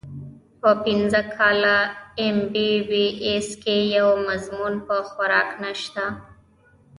پۀ پنځه کاله اېم بي بي اېس کښې يو مضمون پۀ خوراک نشته